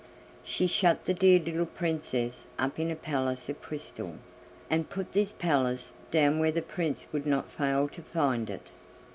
She shut the Dear Little Princess up in a palace of crystal, and put this palace down where the Prince would not fail to find it.